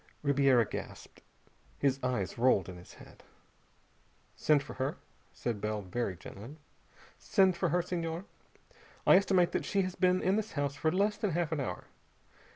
Ribiera gasped. His eyes rolled in his head. "Send for her," said Bell very gently. "Send for her, Senhor. I estimate that she has been in this house for less than half an hour.